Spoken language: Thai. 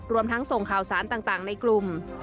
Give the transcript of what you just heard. รวมทั้งส่งข่าวสารต่างในกลุ่ม